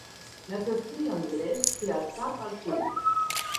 L'assassí anglès té el cap al cul.